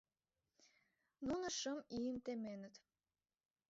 — Нуно шым ийым теменыт.